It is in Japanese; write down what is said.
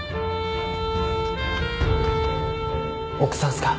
奥さんっすか？